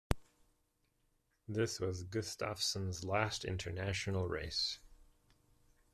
This was Gustafson's last international race.